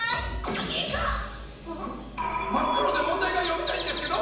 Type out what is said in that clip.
真っ黒で問題が読めないんですけど！